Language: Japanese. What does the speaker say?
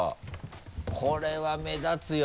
これは目立つよ。